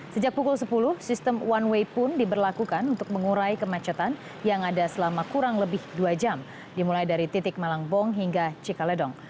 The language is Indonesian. sejak pukul sepuluh sistem one way pun diberlakukan untuk mengurai kemacetan yang ada selama kurang lebih dua jam dimulai dari titik malangbong hingga cikaledong